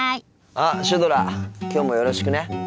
あっシュドラきょうもよろしくね。